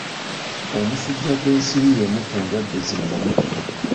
Omusujja gw'ensiri y'emu ku ndwadde zinnamutta.